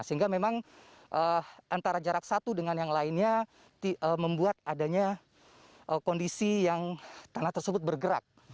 sehingga memang antara jarak satu dengan yang lainnya membuat adanya kondisi yang tanah tersebut bergerak